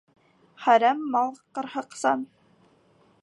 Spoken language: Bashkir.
Хәрәм мал ҡырһыҡсан.